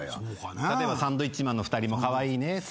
例えばサンドウィッチマンの２人もカワイイねって。